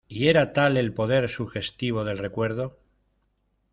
y era tal el poder sugestivo del recuerdo